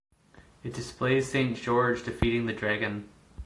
It displays Saint George defeating the Dragon.